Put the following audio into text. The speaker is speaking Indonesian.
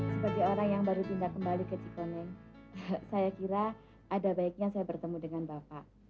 sebagai orang yang baru pindah kembali ke cikoneng saya kira ada baiknya saya bertemu dengan bapak